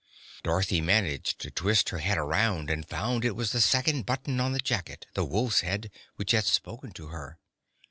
Dorothy managed to twist her head around and found it was the second button on the jacket the wolf's head which had spoken to her.